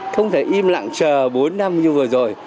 không thể im lặng chờ bốn năm như vừa rồi